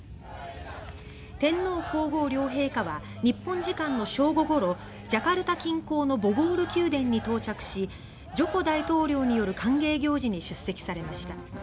天皇・皇后両陛下は日本時間の正午ごろジャカルタ近郊のボゴール宮殿に到着しジョコ大統領による歓迎行事に出席されました。